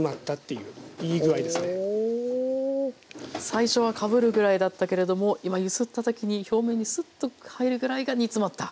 最初はかぶるぐらいだったけれども今揺すった時に表面にスッと入るぐらいが煮詰まった。